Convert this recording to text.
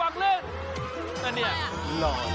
บอกแล้วระวังระวังระวังระวัง